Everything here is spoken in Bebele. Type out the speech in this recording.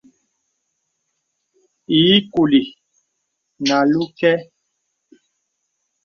Ìì kùlì nə̀ àlū kɛ̄.